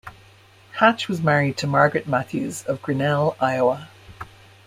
Hatch was married to Margaret Mathews of Grinell, Iowa.